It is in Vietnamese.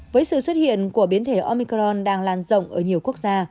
với sự xuất hiện của biến thể omicron đang lan rộng ở nhiều quốc gia